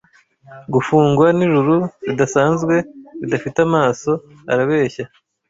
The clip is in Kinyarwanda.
Gufungwa n'ijuru ridasanzwe ridafite amaso. Arabeshya;